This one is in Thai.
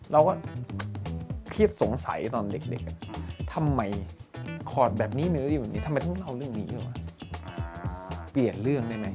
เราก็เครียดสงสัยตอนเด็กทำไมคอร์ดแบบนี้เนื้ออยู่แบบนี้ทำไมต้องเล่าเรื่องนี้วะเปลี่ยนเรื่องได้ไหม